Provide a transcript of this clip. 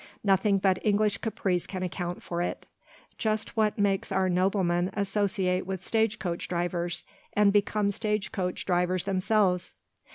Nothing but English caprice can account for it; just what makes our noblemen associate with stage coach drivers, and become stage coach drivers themselves."